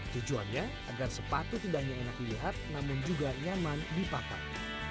tujuannya agar sepatu tidak hanya enak dilihat namun juga nyaman dipakai